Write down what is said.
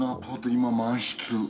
今満室。